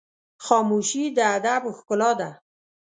خاموشي، د ادب ښکلا ده.